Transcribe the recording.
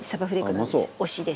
推しです。